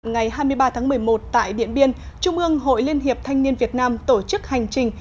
ngày hai mươi ba tháng một mươi một tại điện biên trung ương hội liên hiệp thanh niên việt nam tổ chức hành trình